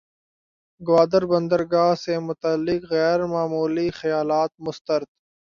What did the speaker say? گوادر بندرگاہ سے متعلق غیر معمولی خیالات مسترد